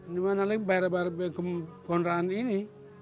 dimana lebih bayar bayar ke kondraan ini